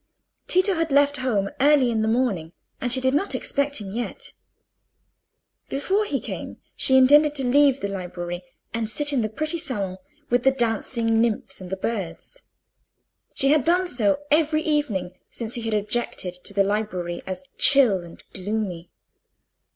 Tito had left home early in the morning, and she did not expect him yet. Before he came she intended to leave the library, and sit in the pretty saloon, with the dancing nymphs and the birds. She had done so every evening since he had objected to the library as chill and gloomy.